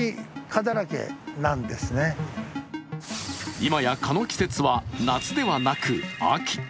今や蚊の季節は夏ではなく、秋。